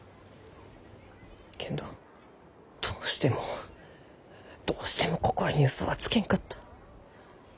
けんどどうしてもどうしても心に嘘はつけんかった。